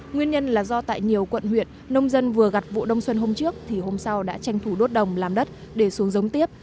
nguyên nhân là do tại nhiều quận huyện nông dân vừa gặt vụ đông xuân hôm trước thì hôm sau đã tranh thủ đốt đồng làm đất để xuống giống tiếp